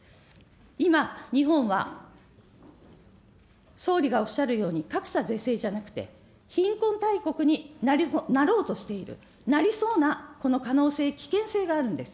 今、日本は総理がおっしゃるように格差是正じゃなくて、貧困大国になろうとしている、なりそうなこの可能性、危険性があるんです。